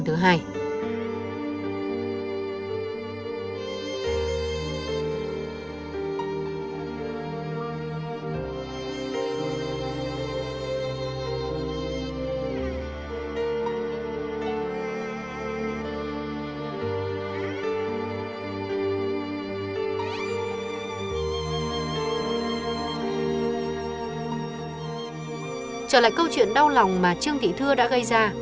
trở lại câu chuyện đau lòng mà trương thị thưa đã gây ra